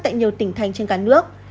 tại nhiều tỉnh thành trên cả nước